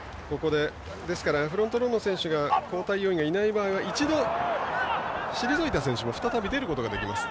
ですからフロントローの選手が交代要員がいない場合は一度、退いた選手も再び出ることができます。